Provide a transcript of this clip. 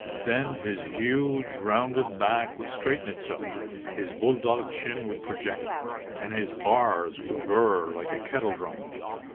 Then his huge, rounded back would straighten itself, his bull dog chin would project, and his r's would burr like a kettledrum.